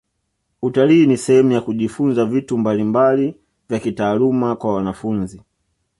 utalii ni sehemu ya kujifunza vitu mbalimbali vya kitaaluma kwa wanafunzi